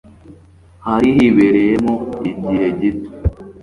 hari hibereyemo igihe gito